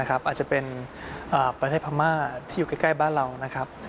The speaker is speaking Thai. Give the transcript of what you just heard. อาจจะเป็นประเทศพรรมาทที่อยู่ใกล้บ้านเรา